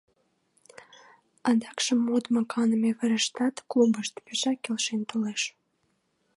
Адакшым модмо-каныме верыштат — клубышт — пешак келшен толеш.